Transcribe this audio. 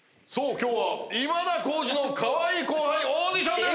今日は今田耕司のかわいい後輩オーディションです。